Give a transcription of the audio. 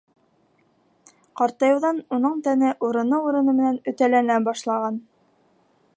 Ҡартайыуҙан уның тәне урыны-урыны менән өтәләнә башлаған.